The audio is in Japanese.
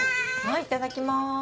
はいいただきます。